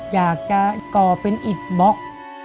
อยากจะก่อเป็นอิตบล็อก